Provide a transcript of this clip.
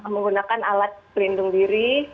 menggunakan alat perlindung diri